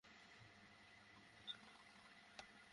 তুমি শুয়ে পরো, সে অনেক ভালো মালিশ করে।